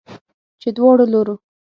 چې دواړو لورو